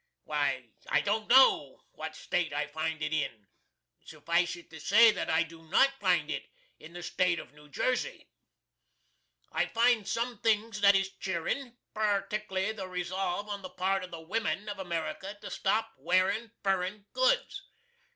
Why I don't know what State I find it in. Suffice it to say, that I do not find it in the State of New Jersey. I find sum things that is cheerin', particly the resolve on the part of the wimin of America to stop wearin' furrin goods.